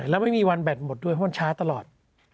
แล้วไม่มีวันแบตหมดด้วยเพราะมันช้าตลอด